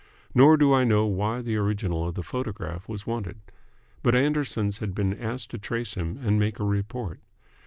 Nor do I know why the original of the photograph was wanted. But Anderson's had been asked to trace him and make a report.